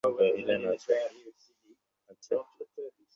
জয়সিংহ কহিলেন, আছে।